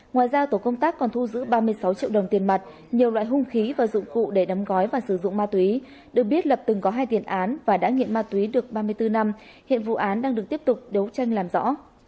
ngoài ra tổ công tác còn thu giữ ba mươi sáu triệu đồng tiền mặt nhiều loại hung khí và dụng cụ để đóng gói và sử dụng ma túy được biết lập từng có hai tiền án và đã nghiện ma túy được ba mươi bốn năm hiện vụ án đang được tiếp tục đấu tranh làm rõ